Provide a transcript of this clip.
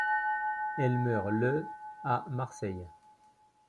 Elle meurt le à Marseille.